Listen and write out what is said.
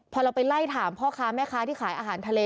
พอเราไปไล่ถามพ่อค้าแม่ค้าที่ขายอาหารทะเล